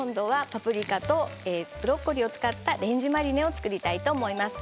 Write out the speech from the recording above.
パプリカとブロッコリーを使った、レンジマリネを作りたいと思います。